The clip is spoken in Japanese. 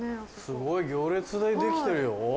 すごい行列できてるよ。